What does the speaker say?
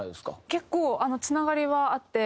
結構つながりはあって。